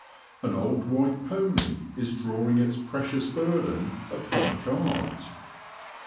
An old white pony is drawing its precious burden upon a cart.